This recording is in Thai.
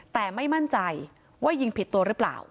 แต่ไม่มั่นใจว่ายิงผิดตัวหรือเปล่า